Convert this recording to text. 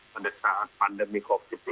pada saat pandemi covid sembilan belas